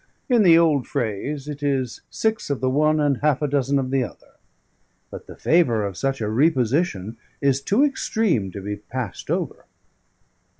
In the old Phrase, it is six of the one and half a dozen of the other; but the Favour of such a Reposition is too extreme to be passed over."